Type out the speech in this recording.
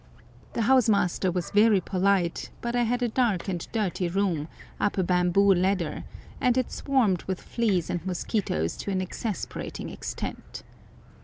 The house master was very polite, but I had a dark and dirty room, up a bamboo ladder, and it swarmed with fleas and mosquitoes to an exasperating extent.